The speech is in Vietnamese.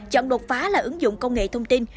chọn đột phá là ứng dụng công nghệ thông tin